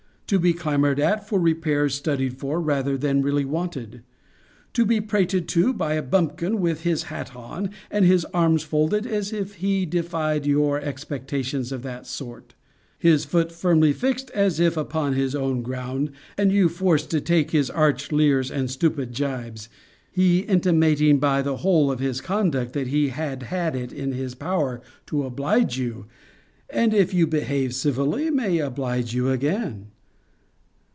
To be clamoured at for repairs studied for, rather than really wanted? To be prated to by a bumpkin with his hat on, and his arms folded, as if he defied your expectations of that sort; his foot firmly fixed, as if upon his own ground, and you forced to take his arch leers, and stupid gybes; he intimating, by the whole of his conduct, that he had had it in his power to oblige you, and, if you behave civilly, may oblige you again?